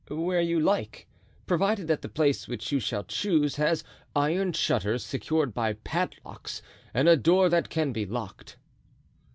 "Where you like, provided that the place which you shall choose has iron shutters secured by padlocks and a door that can be locked."